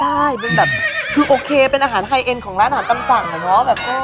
ใช่มันแบบคือโอเคเป็นอาหารไทยเอ็นของร้านอาหารตามสั่งแต่เนอะแบบก็